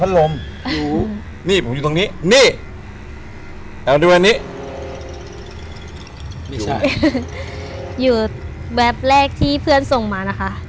มันค่ะลมหูนี่ผมอยู่ตรงนี้นี่เอาดูอันนี้นี่ใช่อยู่แบบแรกที่เพื่อนส่งมานะคะ